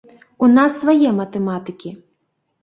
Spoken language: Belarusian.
У нас свае матэматыкі.